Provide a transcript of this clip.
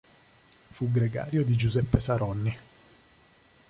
Fu gregario di Giuseppe Saronni.